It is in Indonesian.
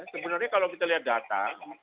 sebenarnya kalau kita lihat data